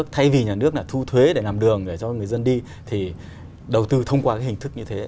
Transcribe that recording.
thay vì nhà nước thu thuế để làm đường cho người dân đi thì đầu tư thông qua hình thức như thế